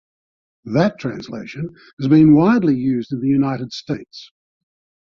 That translation has been used widely in the United States.